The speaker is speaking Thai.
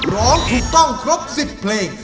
ร้องถูกต้องครบ๑๐เพลง